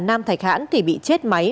nam thạch hãn thì bị chết máy